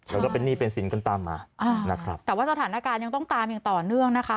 แล้วก็เป็นหนี้เป็นสินกันตามมาอ่านะครับแต่ว่าสถานการณ์ยังต้องตามอย่างต่อเนื่องนะคะ